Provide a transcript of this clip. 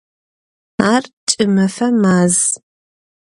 Ар кӏымэфэ маз.